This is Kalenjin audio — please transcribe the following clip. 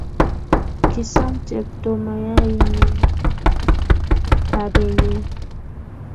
kisoom chepto mayainuk babenyin.